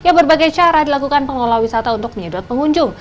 ya berbagai cara dilakukan pengelola wisata untuk menyedot pengunjung